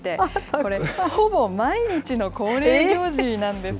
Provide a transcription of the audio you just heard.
これ、ほぼ毎日の恒例行事なんです。